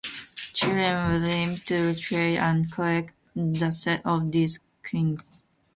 Children would aim to trade and collect the set of these knights.